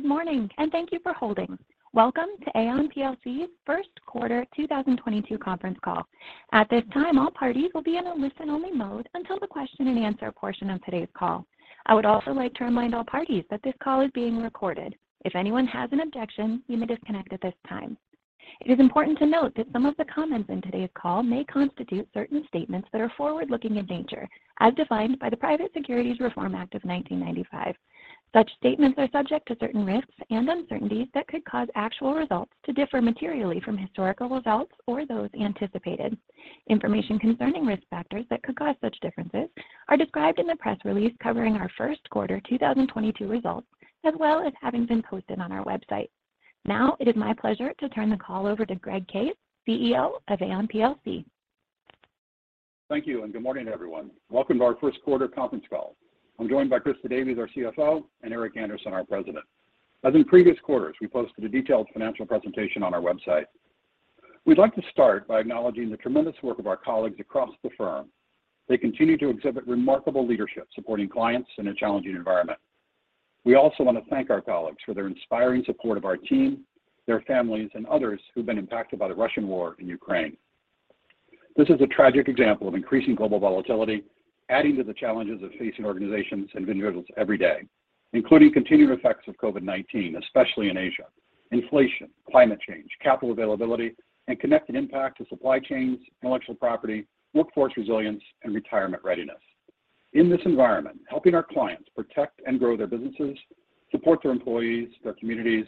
Good morning, and thank you for holding. Welcome to Aon plc's Q1 2022 conference call. At this time, all parties will be in a listen-only mode until the question and answer portion of today's call. I would also like to remind all parties that this call is being recorded. If anyone has an objection, you may disconnect at this time. It is important to note that some of the comments in today's call may constitute certain statements that are forward-looking in nature as defined by the Private Securities Litigation Reform Act of 1995. Such statements are subject to certain risks and uncertainties that could cause actual results to differ materially from historical results or those anticipated. Information concerning risk factors that could cause such differences are described in the press release covering our Q1 2022 results, as well as having been posted on our website. Now, it is my pleasure to turn the call over to Greg Case, CEO of Aon plc. Thank you, and good morning, everyone. Welcome to our Q1 conference call. I'm joined by Christa Davies, our CFO, and Eric Andersen, our president. As in previous quarters, we posted a detailed financial presentation on our website. We'd like to start by acknowledging the tremendous work of our colleagues across the firm. They continue to exhibit remarkable leadership supporting clients in a challenging environment. We also want to thank our colleagues for their inspiring support of our team, their families, and others who've been impacted by the Russian war in Ukraine. This is a tragic example of increasing global volatility, adding to the challenges of facing organizations and individuals every day, including continued effects of COVID-19, especially in Asia, inflation, climate change, capital availability, and connected impact to supply chains, intellectual property, workforce resilience, and retirement readiness. In this environment, helping our clients protect and grow their businesses, support their employees, their communities,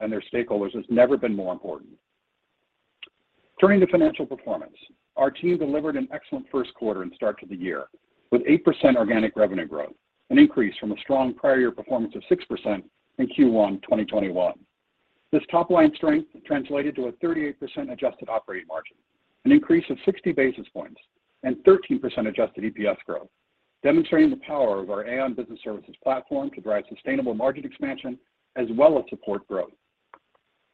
and their stakeholders has never been more important. Turning to financial performance, our team delivered an excellent Q1 and start to the year with 8% organic revenue growth, an increase from a strong prior year performance of 6% in Q1 2021. This top-line strength translated to a 38% adjusted operating margin, an increase of 60 basis points and 13% adjusted EPS growth, demonstrating the power of our Aon Business Services platform to drive sustainable margin expansion as well as support growth.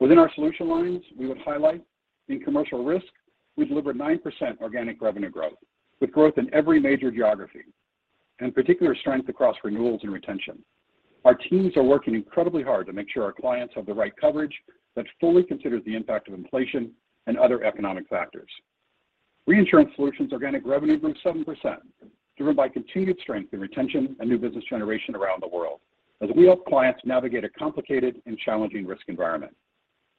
Within our solution lines, we would highlight, in commercial risk, we delivered 9% organic revenue growth with growth in every major geography and particular strength across renewals and retention. Our teams are working incredibly hard to make sure our clients have the right coverage that fully considers the impact of inflation and other economic factors. Reinsurance Solutions organic revenue grew 7%, driven by continued strength in retention and new business generation around the world as we help clients navigate a complicated and challenging risk environment.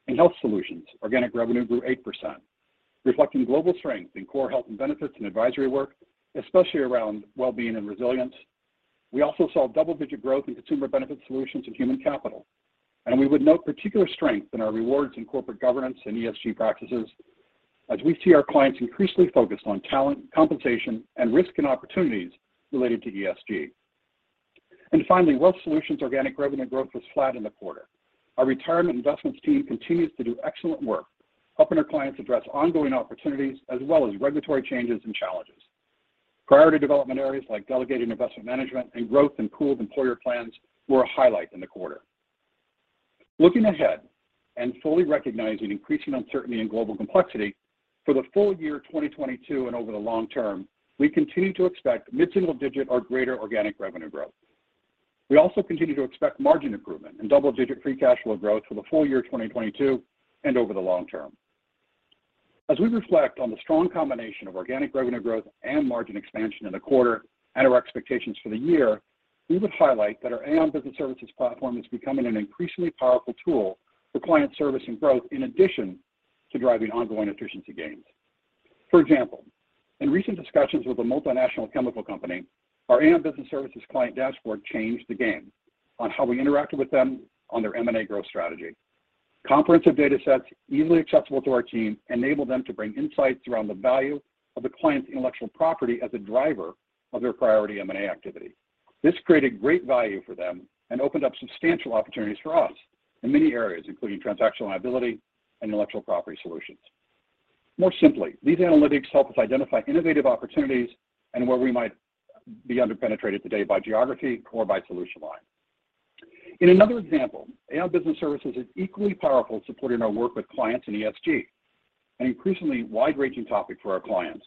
In Health Solutions, organic revenue grew 8%, reflecting global strength in core health and benefits and advisory work, especially around well-being and resilience. We also saw double-digit growth in Consumer Benefit Solutions and Human Capital, and we would note particular strength in our rewards in corporate governance and ESG practices as we see our clients increasingly focused on talent, compensation, and risk and opportunities related to ESG. Wealth Solutions organic revenue growth was flat in the quarter. Our retirement investments team continues to do excellent work helping our clients address ongoing opportunities as well as regulatory changes and challenges. Priority development areas like delegated investment management and growth in pooled employer plans were a highlight in the quarter. Looking ahead and fully recognizing increasing uncertainty and global complexity, for the full year 2022 and over the long term, we continue to expect mid-single digit or greater organic revenue growth. We also continue to expect margin improvement and double-digit free cash flow growth for the full year 2022 and over the long term. As we reflect on the strong combination of organic revenue growth and margin expansion in the quarter and our expectations for the year, we would highlight that our Aon Business Services platform is becoming an increasingly powerful tool for client service and growth in addition to driving ongoing efficiency gains. For example, in recent discussions with a multinational chemical company, our Aon Business Services client dashboard changed the game on how we interacted with them on their M&A growth strategy. Comprehensive data sets easily accessible to our team enabled them to bring insights around the value of the client's intellectual property as a driver of their priority M&A activity. This created great value for them and opened up substantial opportunities for us in many areas, including transactional liability and intellectual property solutions. More simply, these analytics help us identify innovative opportunities and where we might be under-penetrated today by geography or by solution line. In another example, Aon Business Services is equally powerful supporting our work with clients in ESG, an increasingly wide-ranging topic for our clients.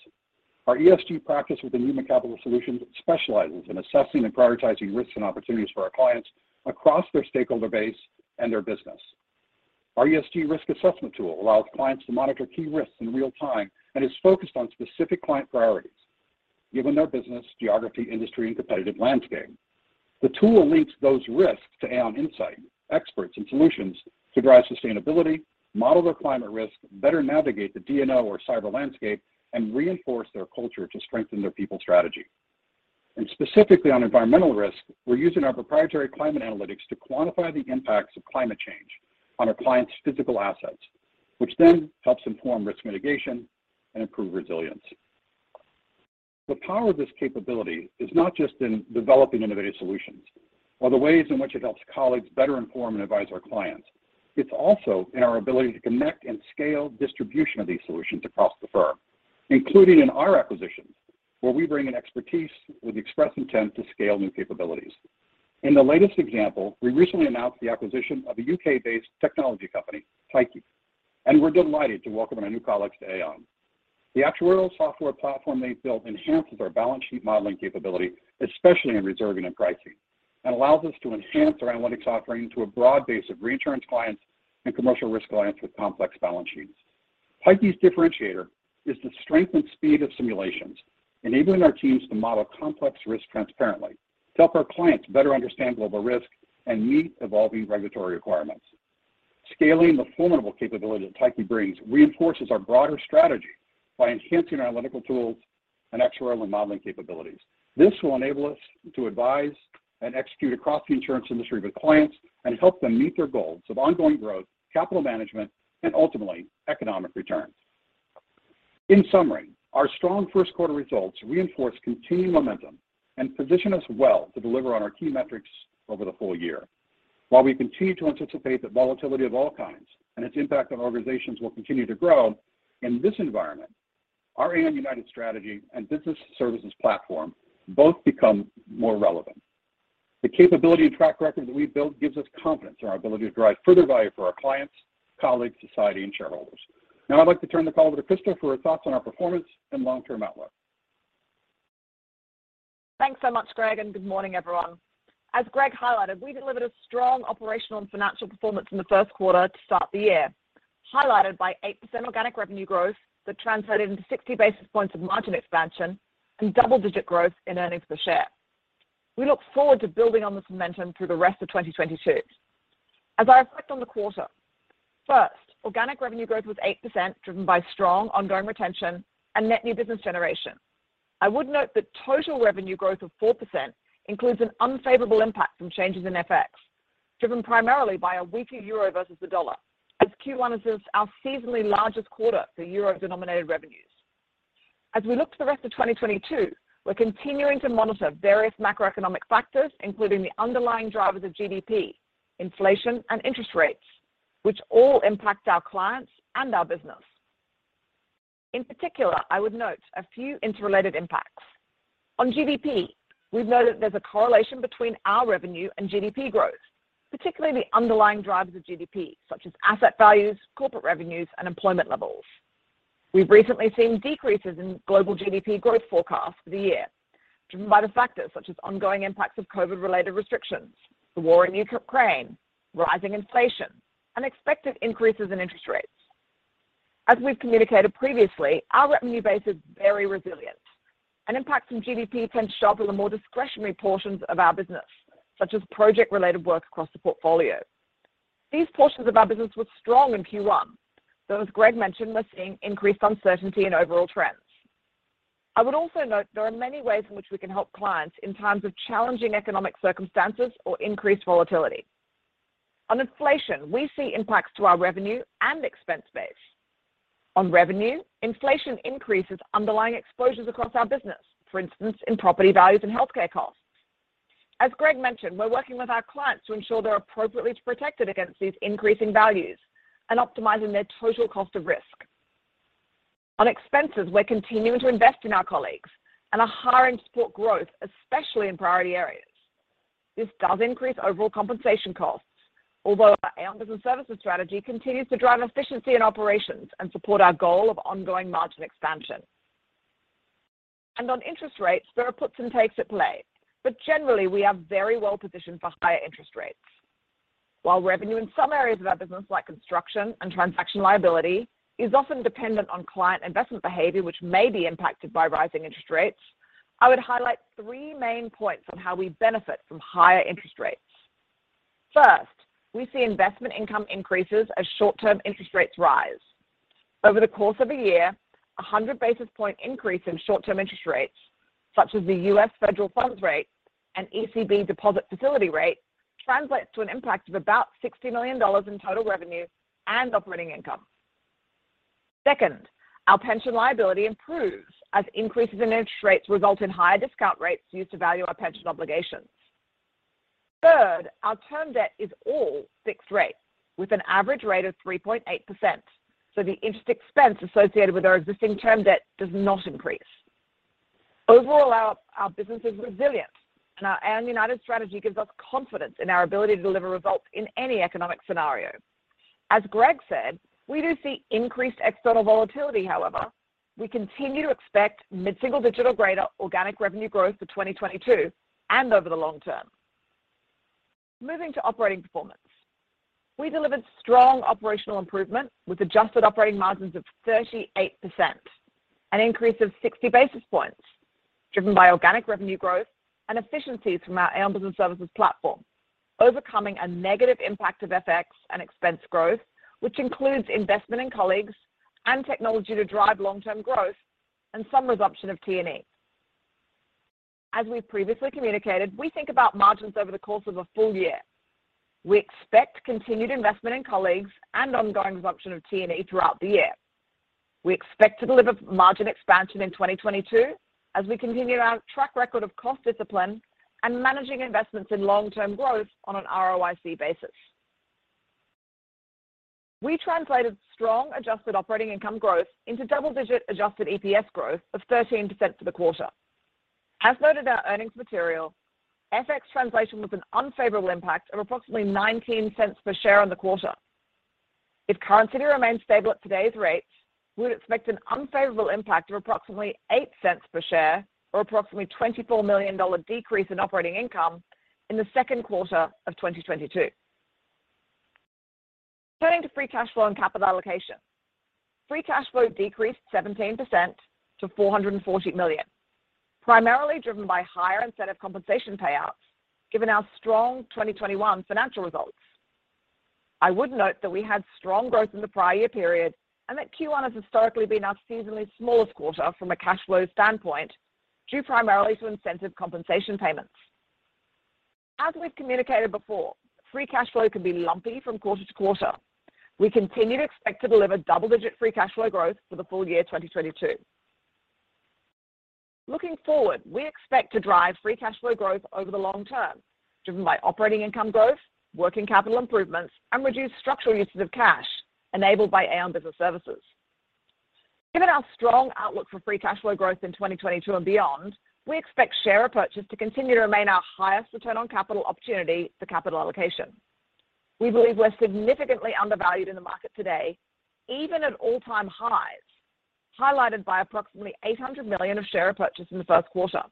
Our ESG practice within Human Capital Solutions specializes in assessing and prioritizing risks and opportunities for our clients across their stakeholder base and their business. Our ESG risk assessment tool allows clients to monitor key risks in real time and is focused on specific client priorities given their business, geography, industry, and competitive landscape. The tool links those risks to Aon insight, experts, and solutions to drive sustainability, model their climate risk, better navigate the D&O or cyber landscape, and reinforce their culture to strengthen their people strategy. Specifically on environmental risk, we're using our proprietary climate analytics to quantify the impacts of climate change on our clients' physical assets, which then helps inform risk mitigation and improve resilience. The power of this capability is not just in developing innovative solutions or the ways in which it helps colleagues better inform and advise our clients. It's also in our ability to connect and scale distribution of these solutions across the firm, including in our acquisitions, where we bring in expertise with express intent to scale new capabilities. In the latest example, we recently announced the acquisition of a UK based technology company, Tyche, and we're delighted to welcome our new colleagues to Aon. The actuarial software platform they've built enhances our balance sheet modeling capability, especially in reserving and pricing, and allows us to enhance our analytics offering to a broad base of reinsurance clients and commercial risk clients with complex balance sheets. Tyche's differentiator is the strength and speed of simulations, enabling our teams to model complex risk transparently to help our clients better understand global risk and meet evolving regulatory requirements. Scaling the formidable capability that Tyche brings reinforces our broader strategy by enhancing analytical tools and actuarial and modeling capabilities. This will enable us to advise and execute across the insurance industry with clients and help them meet their goals of ongoing growth, capital management, and ultimately economic returns. In summary, our strong Q1 results reinforce continued momentum and position us well to deliver on our key metrics over the full year. While we continue to anticipate that volatility of all kinds and its impact on organizations will continue to grow, in this environment, our Aon United strategy and Aon Business Services platform both become more relevant. The capability and track record that we build gives us confidence in our ability to drive further value for our clients, colleagues, society, and shareholders. Now I'd like to turn the call over to Christa for her thoughts on our performance and long-term outlook. Thanks so much, Greg, and good morning, everyone. As Greg highlighted, we delivered a strong operational and financial performance in the Q1 to start the year, highlighted by 8% organic revenue growth that translated into 60 basis points of margin expansion and double-digit growth in earnings per share. We look forward to building on this momentum through the rest of 2022. As I reflect on the quarter, first, organic revenue growth was 8%, driven by strong ongoing retention and net new business generation. I would note that total revenue growth of 4% includes an unfavorable impact from changes in FX, driven primarily by a weaker euro versus the dollar as Q1 is our seasonally largest quarter for euro-denominated revenues. As we look to the rest of 2022, we're continuing to monitor various macroeconomic factors, including the underlying drivers of GDP, inflation, and interest rates, which all impact our clients and our business. In particular, I would note a few interrelated impacts. On GDP, we've noted there's a correlation between our revenue and GDP growth, particularly the underlying drivers of GDP, such as asset values, corporate revenues, and employment levels. We've recently seen decreases in global GDP growth forecast for the year, driven by the factors such as ongoing impacts of COVID-related restrictions, the war in Ukraine, rising inflation, and expected increases in interest rates. As we've communicated previously, our revenue base is very resilient, and impacts from GDP tend to show up in the more discretionary portions of our business, such as project-related work across the portfolio. These portions of our business were strong in Q1, though as Greg mentioned, we're seeing increased uncertainty in overall trends. I would also note there are many ways in which we can help clients in times of challenging economic circumstances or increased volatility. On inflation, we see impacts to our revenue and expense base. On revenue, inflation increases underlying exposures across our business, for instance, in property values and healthcare costs. As Greg mentioned, we're working with our clients to ensure they're appropriately protected against these increasing values and optimizing their total cost of risk. On expenses, we're continuing to invest in our colleagues and are hiring to support growth, especially in priority areas. This does increase overall compensation costs, although our Aon Business Services strategy continues to drive efficiency in operations and support our goal of ongoing margin expansion. On interest rates, there are puts and takes at play. Generally, we are very well positioned for higher interest rates. While revenue in some areas of our business, like construction and transactional liability, is often dependent on client investment behavior, which may be impacted by rising interest rates, I would highlight three main points on how we benefit from higher interest rates. First, we see investment income increases as short term interest rates rise. Over the course of a year, a 100 basis point increase in short term interest rates, such as the US federal funds rate and ECB deposit facility rate, translates to an impact of about $60 million in total revenue and operating income. Second, our pension liability improves as increases in interest rates result in higher discount rates used to value our pension obligations. Third, our term debt is all fixed-rate with an average rate of 3.8%, so the interest expense associated with our existing term debt does not increase. Overall, our business is resilient, and our Aon United strategy gives us confidence in our ability to deliver results in any economic scenario. As Greg said, we do see increased external volatility, however, we continue to expect mid-single-digit or greater organic revenue growth for 2022 and over the long term. Moving to operating performance. We delivered strong operational improvement with adjusted operating margins of 38%, an increase of 60 basis points driven by organic revenue growth and efficiencies from our Aon Business Services platform, overcoming a negative impact of FX and expense growth, which includes investment in colleagues and technology to drive long-term growth and some resumption of T&E. As we previously communicated, we think about margins over the course of a full year. We expect continued investment in colleagues and ongoing resumption of T&E throughout the year. We expect to deliver margin expansion in 2022 as we continue our track record of cost discipline and managing investments in long-term growth on an ROIC basis. We translated strong adjusted operating income growth into double-digit adjusted EPS growth of 13% for the quarter. As noted in our earnings material, FX translation was an unfavorable impact of approximately $0.19 per share on the quarter. If currency remains stable at today's rates, we would expect an unfavorable impact of approximately $0.08 per share or approximately $24 million decrease in operating income in the Q2 of 2022. Turning to free cash flow and capital allocation. Free cash flow decreased 17% to $440 million, primarily driven by higher incentive compensation payouts given our strong 2021 financial results. I would note that we had strong growth in the prior year period and that Q1 has historically been our seasonally smallest quarter from a cash flow standpoint, due primarily to incentive compensation payments. As we've communicated before, free cash flow can be lumpy from quarter to quarter. We continue to expect to deliver double-digit free cash flow growth for the full year 2022. Looking forward, we expect to drive free cash flow growth over the long term, driven by operating income growth, working capital improvements, and reduced structural uses of cash enabled by Aon Business Services. Given our strong outlook for free cash flow growth in 2022 and beyond, we expect share repurchase to continue to remain our highest return on capital opportunity for capital allocation. We believe we're significantly undervalued in the market today, even at all-time highs, highlighted by approximately $800 million of share repurchase in the Q1.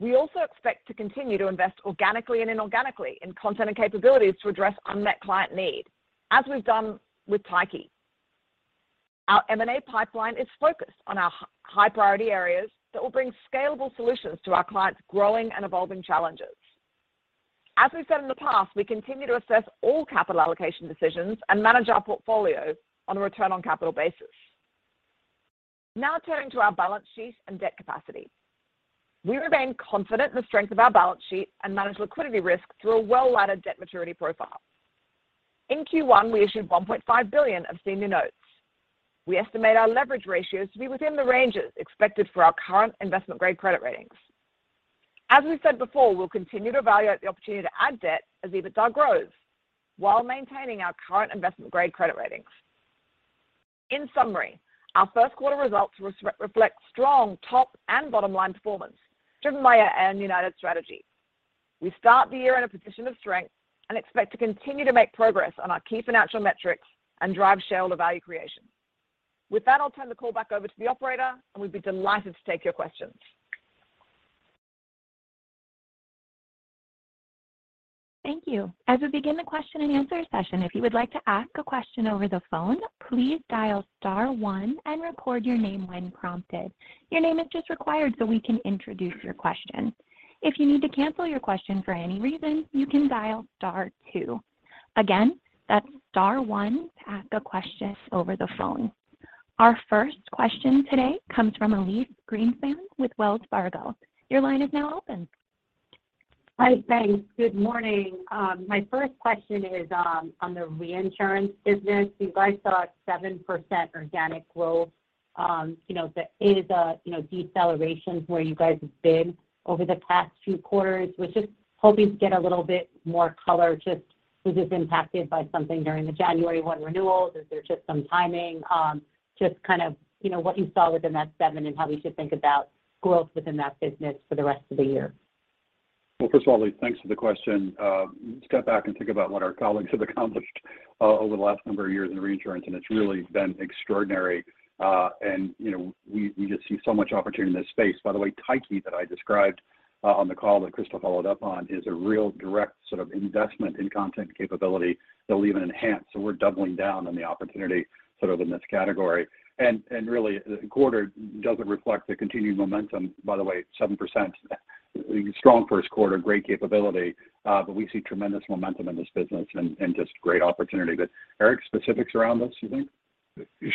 We also expect to continue to invest organically and inorganically in content and capabilities to address unmet client need, as we've done with Tyche. Our M&A pipeline is focused on our high priority areas that will bring scalable solutions to our clients' growing and evolving challenges. As we've said in the past, we continue to assess all capital allocation decisions and manage our portfolio on a return on capital basis. Now turning to our balance sheet and debt capacity. We remain confident in the strength of our balance sheet and manage liquidity risk through a well-laddered debt maturity profile. In Q1, we issued $1.5 billion of senior notes. We estimate our leverage ratios to be within the ranges expected for our current investment-grade credit ratings. As we've said before, we'll continue to evaluate the opportunity to add debt as EBITDA grows while maintaining our current investment-grade credit ratings. In summary, our Q1 results reflect strong top and bottom-line performance driven by our Aon United strategy. We start the year in a position of strength and expect to continue to make progress on our key financial metrics and drive shareholder value creation. With that, I'll turn the call back over to the operator, and we'd be delighted to take your questions. Thank you. As we begin the question and answer session, if you would like to ask a question over the phone, please dial star one and record your name when prompted. Your name is just required so we can introduce your question. If you need to cancel your question for any reason, you can dial star two. Again, that's star one to ask a question over the phone. Our first question today comes from Elyse Greenspan with Wells Fargo. Your line is now open. Hi. Thanks. Good morning. My first question is on the reinsurance business. You guys saw 7% organic growth, you know, that is a deceleration from where you guys have been over the past few quarters. Was just hoping to get a little bit more color just was this impacted by something during the 1 January renewals? Is there just some timing? Just kind of, you know, what you saw within that 7% and how we should think about growth within that business for the rest of the year. Well, first of all, Elyse, thanks for the question. Step back and think about what our colleagues have accomplished over the last number of years in reinsurance, and it's really been extraordinary. You know, we just see so much opportunity in this space. By the way, Tyche that I described on the call that Christa followed up on is a real direct sort of investment in content capability that we'll even enhance. We're doubling down on the opportunity sort of in this category. Really the quarter doesn't reflect the continued momentum, by the way, 7% strong Q1, great capability, but we see tremendous momentum in this business and just great opportunity. Eric, specifics around this, you think?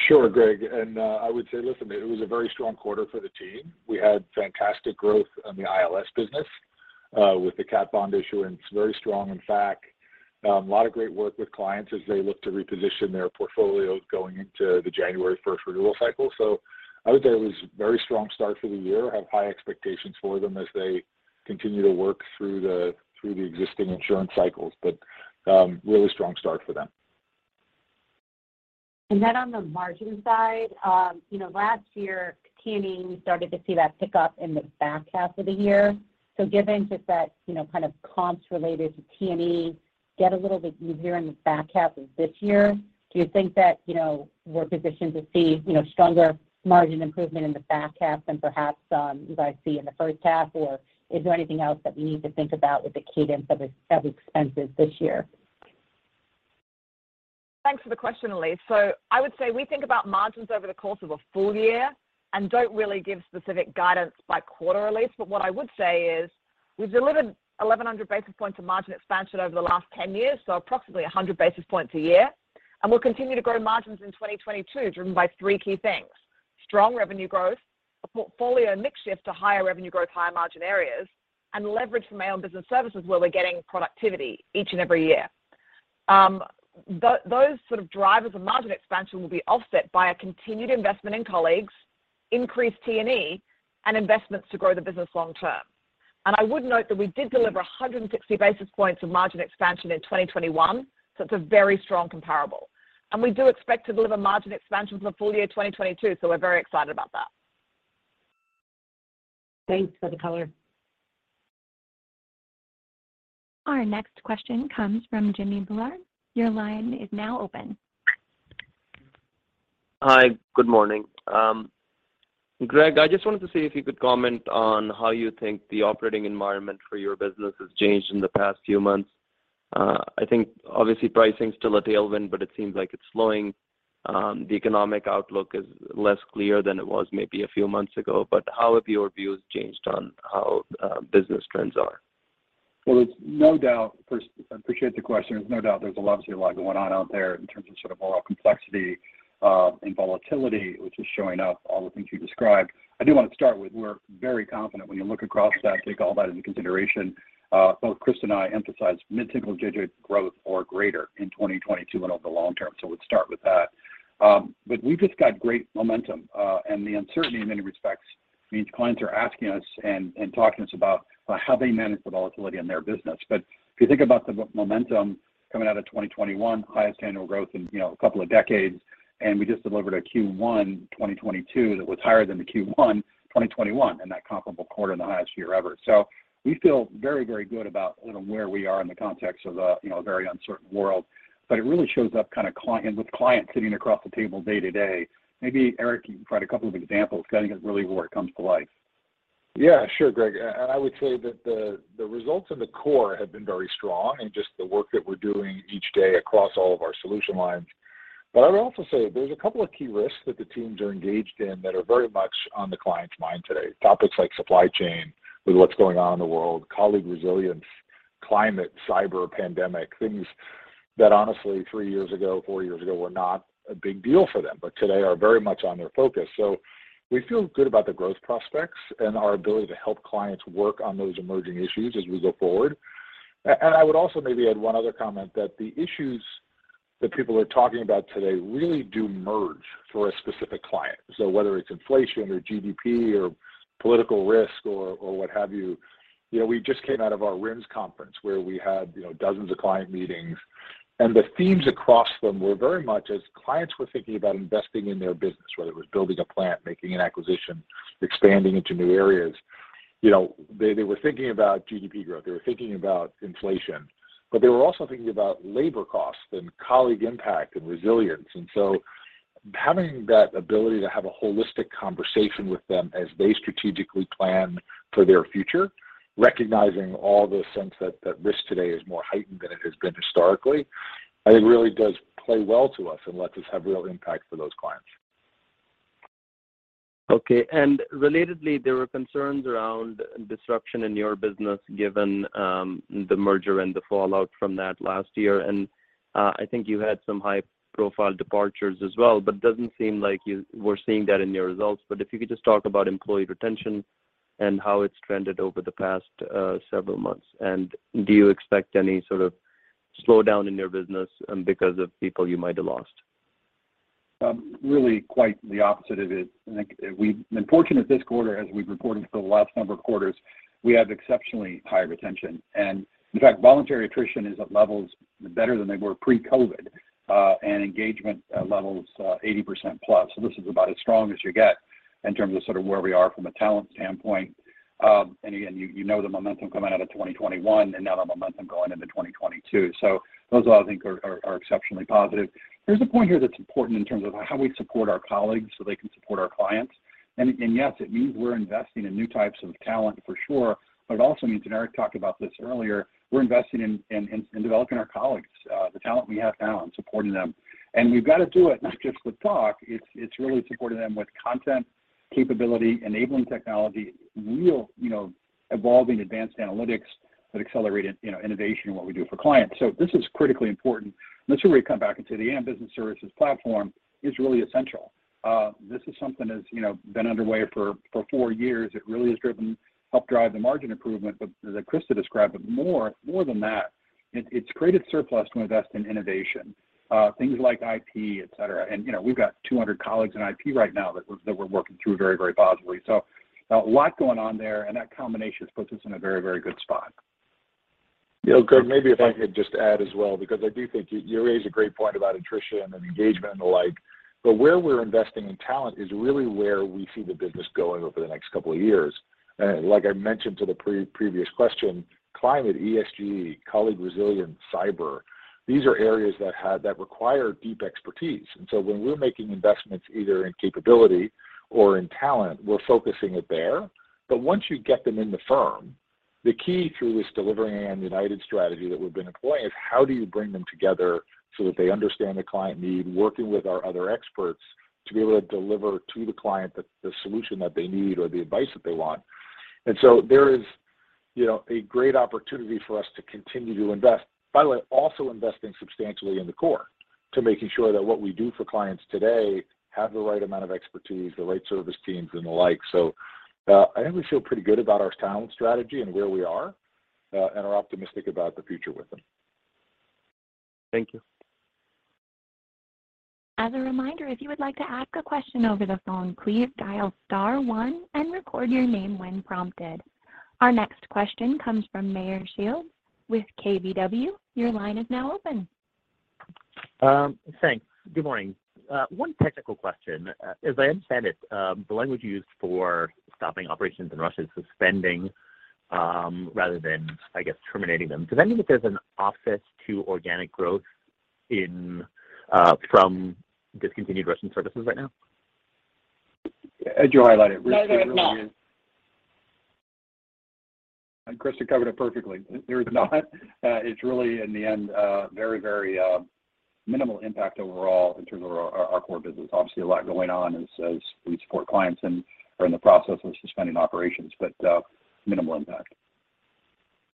Sure, Greg. I would say, listen, it was a very strong quarter for the team. We had fantastic growth in the ILS business, with the cat bond issuance, very strong in FAC. A lot of great work with clients as they look to reposition their portfolios going into the January first renewal cycle. I would say it was a very strong start for the year. Have high expectations for them as they continue to work through the existing insurance cycles. Really strong start for them. On the margin side, you know, last year T&E, we started to see that pick up in the back half of the year. Given just that, you know, kind of comps related to T&E get a little bit easier in the back half of this year, do you think that, you know, we're positioned to see, you know, stronger margin improvement in the back half than perhaps, you guys see in the first half? Is there anything else that we need to think about with the cadence of expenses this year? Thanks for the question, Elyse. I would say we think about margins over the course of a full year and don't really give specific guidance by quarter, Elyse. What I would say is we've delivered 1,100 basis points of margin expansion over the last 10 years, so approximately 100 basis points a year. We'll continue to grow margins in 2022 driven by three key things, strong revenue growth, a portfolio mix shift to higher revenue growth, higher margin areas, and leverage from Aon Business Services, where we're getting productivity each and every year. Those sort of drivers of margin expansion will be offset by a continued investment in colleagues, increased T&E, and investments to grow the business long term. I would note that we did deliver 160 basis points of margin expansion in 2021, so it's a very strong comparable. We do expect to deliver margin expansion for full year 2022, so we're very excited about that. Thanks for the color. Our next question comes from Jimmy Bhullar. Your line is now open. Hi, good morning. Greg, I just wanted to see if you could comment on how you think the operating environment for your business has changed in the past few months. I think obviously pricing is still a tailwind, but it seems like it's slowing. The economic outlook is less clear than it was maybe a few months ago, but how have your views changed on how business trends are? Well, there's no doubt. First, I appreciate the question. There's no doubt there's obviously a lot going on out there in terms of sort of overall complexity, and volatility, which is showing up, all the things you described. I do want to start with we're very confident when you look across that, take all that into consideration, both Christa and I emphasized mid-single-digit growth or greater in 2022 and over the long term. Would start with that. We've just got great momentum, and the uncertainty in many respects means clients are asking us and talking to us about how they manage the volatility in their business. If you think about the momentum coming out of 2021, highest annual growth in, you know, a couple of decades, and we just delivered a Q1 2022 that was higher than the Q1 2021 in that comparable quarter and the highest year ever. We feel very, very good about, you know, where we are in the context of a, you know, very uncertain world. It really shows up kind of and with clients sitting across the table day to day. Maybe Eric, you can provide a couple of examples cause I think it's really where it comes to life. Yeah, sure, Greg. I would say that the results in the core have been very strong and just the work that we're doing each day across all of our solution lines. I'd also say there's a couple of key risks that the teams are engaged in that are very much on the client's mind today. Topics like supply chain with what's going on in the world, colleague resilience, climate, cyber, pandemic, things that honestly three years ago, four years ago, were not a big deal for them, but today are very much on their focus. We feel good about the growth prospects and our ability to help clients work on those emerging issues as we go forward. I would also maybe add one other comment, that the issues that people are talking about today really do merge for a specific client. Whether it's inflation or GDP or political risk or what have you. You know, we just came out of our RIMS conference where we had, you know, dozens of client meetings, and the themes across them were very much as clients were thinking about investing in their business, whether it was building a plant, making an acquisition, expanding into new areas. You know, they were thinking about GDP growth, they were thinking about inflation, but they were also thinking about labor costs and colleague impact and resilience. Having that ability to have a holistic conversation with them as they strategically plan for their future, recognizing all the sense that risk today is more heightened than it has been historically, I think really does play well to us and lets us have real impact for those clients. Okay. Relatedly, there were concerns around disruption in your business given the merger and the fallout from that last year. I think you had some high-profile departures as well, but it doesn't seem like we're seeing that in your results. If you could just talk about employee retention and how it's trended over the past several months. Do you expect any sort of slowdown in your business because of people you might have lost? Really quite the opposite of it. I think we've been fortunate this quarter, as we've reported for the last number of quarters, we have exceptionally high retention. In fact, voluntary attrition is at levels better than they were pre-COVID, and engagement levels, 80%+. This is about as strong as you get in terms of sort of where we are from a talent standpoint. Again, you know, the momentum coming out of 2021 and now the momentum going into 2022. Those I think are exceptionally positive. There's a point here that's important in terms of how we support our colleagues so they can support our clients. Yes, it means we're investing in new types of talent for sure, but it also means, and Eric talked about this earlier, we're investing in developing our colleagues, the talent we have now and supporting them. We've got to do it not just with talk. It's really supporting them with content, capability, enabling technology, real, you know, evolving advanced analytics that accelerated, you know, innovation in what we do for clients. This is critically important, and it's where we come back into the Aon Business Services platform is really essential. This is something that's, you know, been underway for four years. It really has helped drive the margin improvement, but as Christa described, but more than that, it's created surplus to invest in innovation, things like IP, et cetera. You know, we've got 200 colleagues in IP right now that we're working through very, very positively. A lot going on there, and that combination puts us in a very, very good spot. Yeah, Greg, maybe if I could just add as well, because I do think you raise a great point about attrition and engagement and the like, but where we're investing in talent is really where we see the business going over the next couple of years. Like I mentioned to the pre-previous question, climate, ESG, colleague resilience, cyber, these are areas that require deep expertise. When we're making investments either in capability or in talent, we're focusing it there. But once you get them in the firm, the key through this delivering and united strategy that we've been employing is how do you bring them together so that they understand the client need, working with our other experts to be able to deliver to the client the solution that they need or the advice that they want. There is, you know, a great opportunity for us to continue to invest. By the way, also investing substantially in the core to making sure that what we do for clients today have the right amount of expertise, the right service teams, and the like. I think we feel pretty good about our talent strategy and where we are, and are optimistic about the future with them. Thank you. As a reminder, if you would like to ask a question over the phone, please dial star one and record your name when prompted. Our next question comes from Meyer Shields with KBW. Your line is now open. Thanks. Good morning. One technical question. As I understand it, the language you used for stopping operations in Russia is suspending, rather than, I guess, terminating them. Does that mean that there's an offset to organic growth in, from discontinued Russian services right now? As you highlighted. No, there is not. Christa covered it perfectly. There is not. It's really in the end very minimal impact overall in terms of our core business. Obviously a lot going on as we support clients and are in the process of suspending operations, but minimal impact.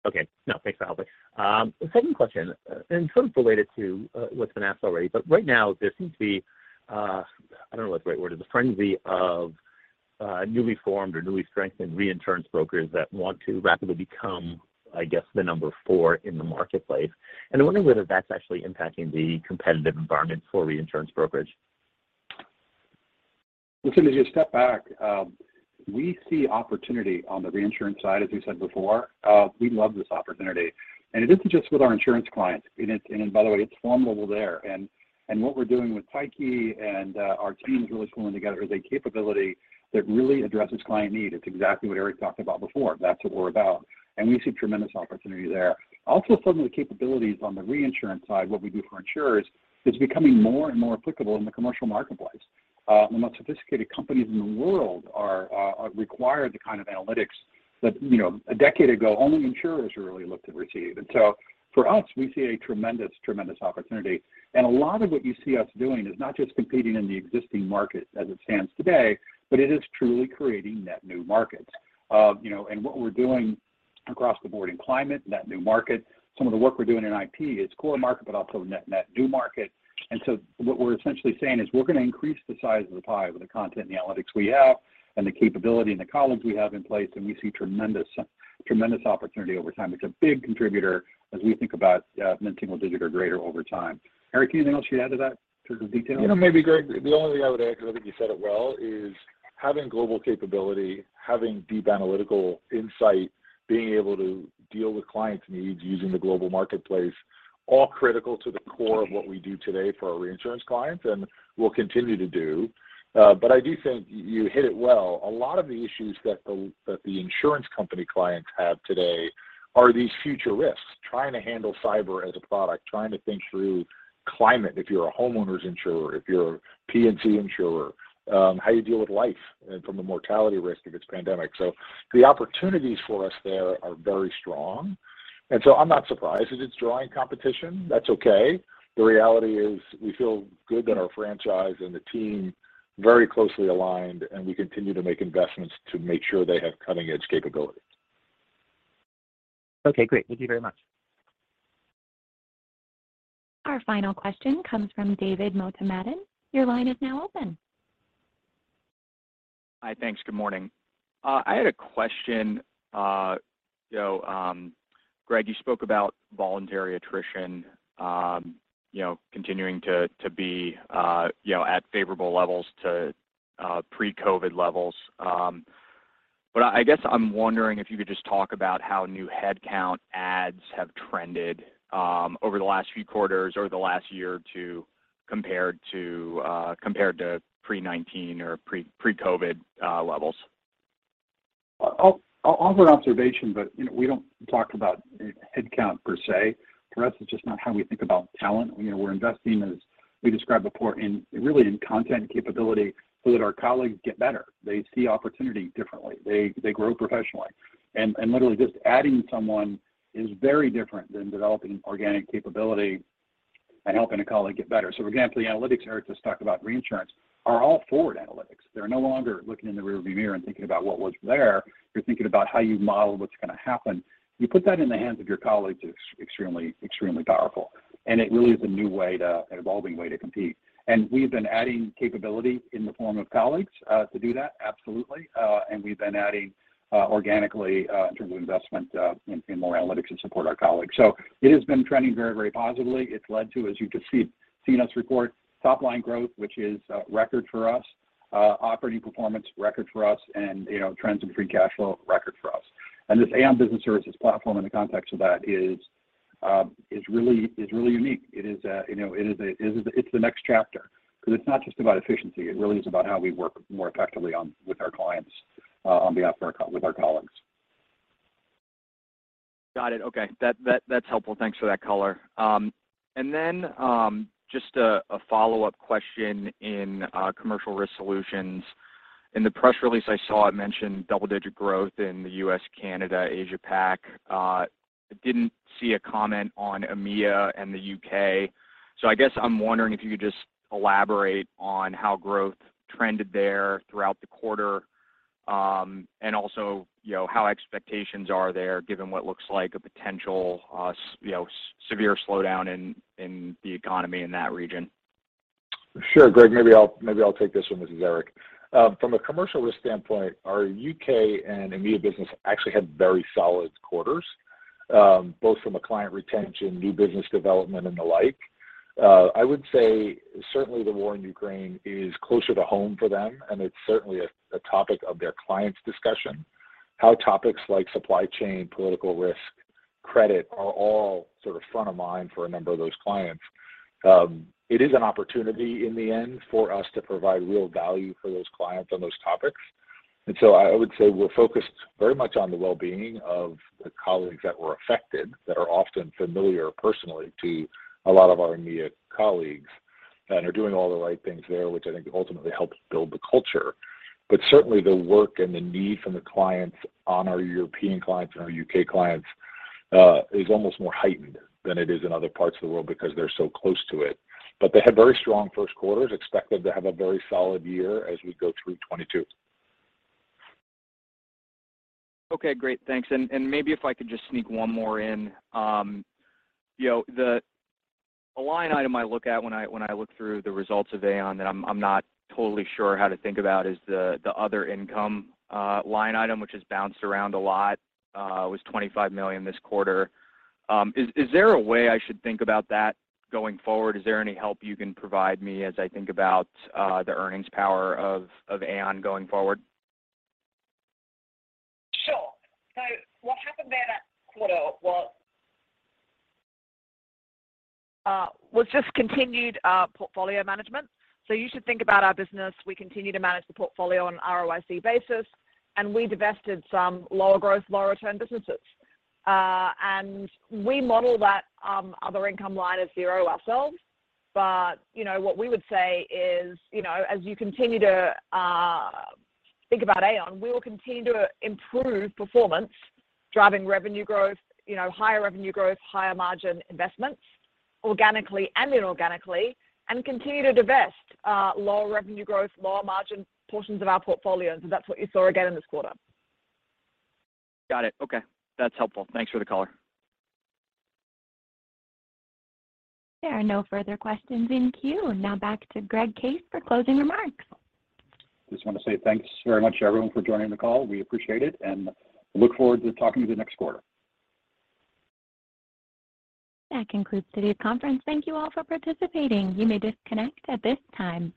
Okay. No, thanks for the help. The second question is somewhat related to what's been asked already, but right now there seems to be, I don't know what the right word is, a frenzy of newly formed or newly strengthened reinsurance brokers that want to rapidly become, I guess, the number four in the marketplace. I'm wondering whether that's actually impacting the competitive environment for reinsurance brokerage. Listen, as you step back, we see opportunity on the reinsurance side, as we said before. We love this opportunity, and it isn't just with our insurance clients. By the way, it's formidable there. What we're doing with Tyche and our team is really pulling together a capability that really addresses client need. It's exactly what Eric talked about before. That's what we're about, and we see tremendous opportunity there. Also, some of the capabilities on the reinsurance side, what we do for insurers is becoming more and more applicable in the commercial marketplace. The most sophisticated companies in the world require the kind of analytics that, you know, a decade ago only insurers really looked to receive. For us, we see a tremendous opportunity. A lot of what you see us doing is not just competing in the existing market as it stands today, but it is truly creating net new markets. What we're doing across the board in climate, net new market, some of the work we're doing in IP is core market, but also net new market. What we're essentially saying is we're going to increase the size of the pie with the content and analytics we have and the capability and the colleagues we have in place, and we see tremendous opportunity over time. It's a big contributor as we think about mid-single digit or greater over time. Eric, anything else you'd add to that in terms of detail? You know, maybe Greg, the only thing I would add, because I think you said it well, is having global capability, having deep analytical insight, being able to deal with clients' needs using the global marketplace, all critical to the core of what we do today for our reinsurance clients and will continue to do. I do think you hit it well. A lot of the issues that the insurance company clients have today are these future risks. Trying to handle cyber as a product, trying to think through climate if you're a homeowner's insurer, if you're a P&C insurer, how you deal with life and from the mortality risk if it's pandemic. The opportunities for us there are very strong, and so I'm not surprised that it's drawing competition. That's okay. The reality is we feel good that our franchise and the team very closely aligned, and we continue to make investments to make sure they have cutting-edge capabilities. Okay, great. Thank you very much. Our final question comes from David Motemaden. Your line is now open. Hi, thanks. Good morning. I had a question. You know, Greg, you spoke about voluntary attrition, you know, continuing to be at favorable levels to pre-COVID levels. But I guess I'm wondering if you could just talk about how new headcount adds have trended over the last few quarters or the last year compared to pre-2019 or pre-COVID levels. I'll offer observation, but you know, we don't talk about headcount per se. For us, it's just not how we think about talent. You know, we're investing as we described before in really in content capability so that our colleagues get better. They see opportunity differently. They grow professionally. Literally just adding someone is very different than developing organic capability and helping a colleague get better. For example, the analytics Eric just talked about reinsurance are all forward analytics. They're no longer looking in the rearview mirror and thinking about what was there. You're thinking about how you model what's going to happen. You put that in the hands of your colleagues, it's extremely powerful, and it really is a new way to an evolving way to compete. We've been adding capability in the form of colleagues to do that, absolutely. We've been adding organically in terms of investment in more analytics and support our colleagues. It has been trending very positively. It's led to, as you can see, seen us report top line growth, which is record for us, operating performance record for us and, you know, trends in free cash flow record for us. This Aon Business Services platform in the context of that is really unique. It's the next chapter because it's not just about efficiency. It really is about how we work more effectively with our clients with our colleagues. Got it. Okay. That's helpful. Thanks for that color. Just a follow-up question in Commercial Risk Solutions. In the press release I saw it mentioned double-digit growth in the US, Canada, Asia Pac. I didn't see a comment on EMEA and the UK I guess I'm wondering if you could just elaborate on how growth trended there throughout the quarter, and also, you know, how expectations are there given what looks like a potential severe slowdown in the economy in that region. Sure. Greg, maybe I'll take this one. This is Eric. From a Commercial Risk standpoint, our UK and EMEA business actually had very solid quarters. Both from a client retention, new business development and the like. I would say certainly the war in Ukraine is closer to home for them, and it's certainly a topic of their clients' discussion. How topics like supply chain, political risk, credit are all sort of front of mind for a number of those clients. It is an opportunity in the end for us to provide real value for those clients on those topics. I would say we're focused very much on the well-being of the colleagues that were affected, that are often familiar personally to a lot of our immediate colleagues, and are doing all the right things there, which I think ultimately helps build the culture. Certainly the work and the need from our European clients and our UK clients is almost more heightened than it is in other parts of the world because they're so close to it. They had very strong Q1, expected to have a very solid year as we go through 2022. Okay, great. Thanks. Maybe if I could just sneak one more in. You know, the line item I look at when I look through the results of Aon that I'm not totally sure how to think about is the other income line item, which has bounced around a lot, was $25 million this quarter. Is there a way I should think about that going forward? Is there any help you can provide me as I think about the earnings power of Aon going forward? Sure. What happened there that quarter was just continued portfolio management. You should think about our business. We continue to manage the portfolio on ROIC basis, and we divested some lower growth, lower return businesses. We model that other income line as zero ourselves. You know, what we would say is, you know, as you continue to think about Aon, we will continue to improve performance, driving revenue growth, you know, higher revenue growth, higher margin investments, organically and inorganically, and continue to divest lower revenue growth, lower margin portions of our portfolio. That's what you saw again in this quarter. Got it. Okay. That's helpful. Thanks for the color. There are no further questions in queue. Now back to Greg Case for closing remarks. Just want to say thanks very much everyone for joining the call. We appreciate it, and look forward to talking to you next quarter. That concludes today's conference. Thank you all for participating. You may disconnect at this time.